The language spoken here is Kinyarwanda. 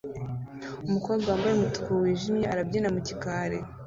Umukobwa wambaye umutuku wijimye arabyina mu gikari